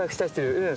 うん。